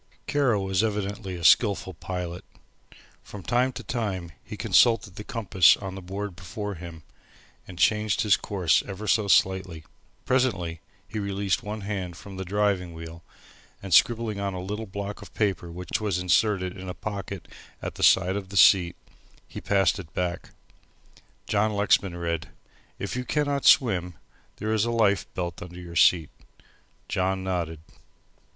Kara was evidently a skilful pilot. From time to time he consulted the compass on the board before him, and changed his course ever so slightly. Presently he released one hand from the driving wheel, and scribbling on a little block of paper which was inserted in a pocket at the side of the seat he passed it back. John Lexman read: "If you cannot swim there is a life belt under your seat." John nodded.